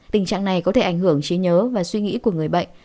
tình trạng này có thể ảnh hưởng trí nhớ và suy nghĩ của người bệnh